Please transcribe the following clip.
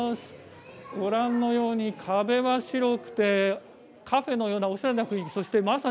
ご覧のように広くてカフェのようなおしゃれな空間。